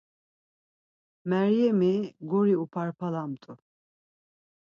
Meryemi guri uparpalamt̆u.